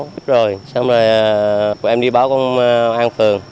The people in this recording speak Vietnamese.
xong rồi em đi báo công an phường